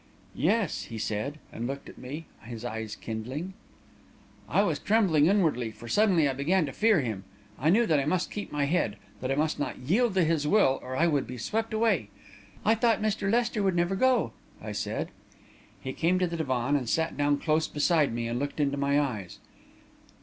"'Yes,' he said, and looked at me, his eyes kindling. "I was trembling inwardly, for suddenly I began to fear him; I knew that I must keep my head, that I must not yield to his will, or I would be swept away. "'I thought Mr. Lester would never go,' I said. "He came to the divan and sat down close beside me, and looked into my eyes.